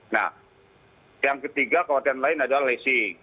nah yang ketiga khawatiran lain adalah leasing